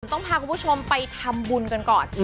ต้องพาชมไปทำบุญกันก่อน